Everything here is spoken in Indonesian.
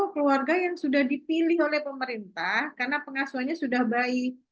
keluarga yang sudah dipilih oleh pemerintah karena pengasuhannya sudah baik